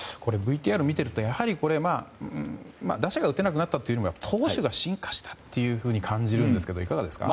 ＶＴＲ見ていると打者が打てなくなったというより投手が進化したと感じるんですがいかがですか。